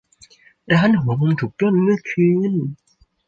ร้านหัวมุมถูกปล้นเมื่อคืน